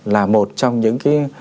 là một trong những cái